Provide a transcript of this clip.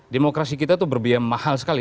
demokrasi kita itu berbiaya mahal sekali